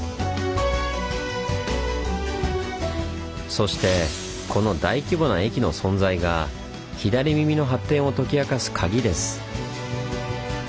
そしてこの大規模な駅の存在が「左耳」の発展を解き明かすカギです。